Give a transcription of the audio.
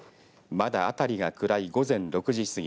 まだあたりが暗い午前６時過ぎ